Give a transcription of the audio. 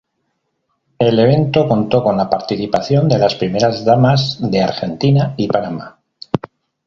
El evento contó con la participación de las primeras damas de Argentina y Panamá.